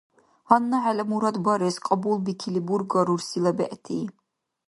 Гьанна хӀела мурад барес кьабулбикили бургар рурсила бегӀти?